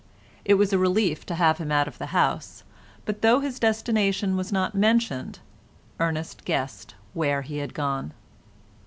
It was a relief to have him out of the house, but though his destination was not mentioned, Ernest guessed where he had gone.